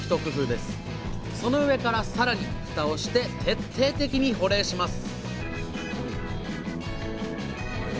その上からさらにフタをして徹底的に保冷します